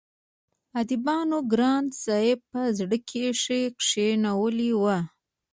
اديبانو ګران صاحب په زړه کښې کښينولی وو